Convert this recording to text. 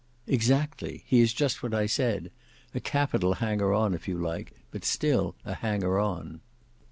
"Exactly; he is just what I said, a capital hanger on if you like, but still a hanger on."